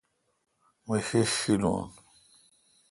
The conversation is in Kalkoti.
می ݭݭ شیلون